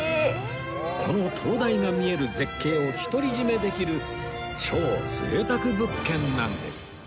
この灯台が見える絶景を独り占めできる超贅沢物件なんです